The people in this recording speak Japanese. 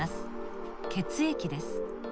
血液です。